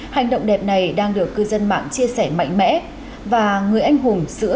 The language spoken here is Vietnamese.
hành động đẹp này đang được cư dân mạng chia sẻ mạnh mẽ